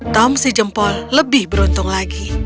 tom si jempol lebih beruntung lagi